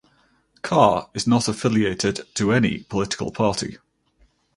Khair is not affiliated to any political party.